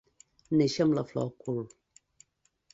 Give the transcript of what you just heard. Néixer amb la flor al cul.